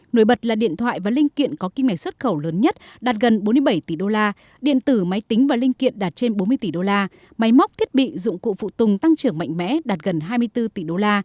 nổi bật là điện thoại và linh kiện có kim ngạch xuất khẩu lớn nhất đạt gần bốn mươi bảy tỷ usd điện tử máy tính và linh kiện đạt trên bốn mươi tỷ usd máy móc thiết bị dụng cụ phụ tùng tăng trưởng mạnh mẽ đạt gần hai mươi bốn tỷ usd